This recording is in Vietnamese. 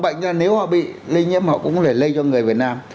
phòng bệnh ra nếu họ bị lây nhiễm họ cũng phải lây cho người việt nam